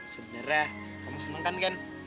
sebenernya kamu seneng kan ken